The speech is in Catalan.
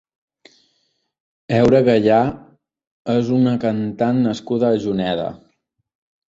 Heura Gaya és una cantant nascuda a Juneda.